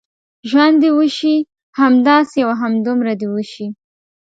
ژوند دې وشي، همداسې او همدومره دې وشي.